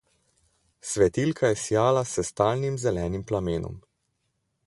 Svetilka je sijala s stalnim zelenim plamenom.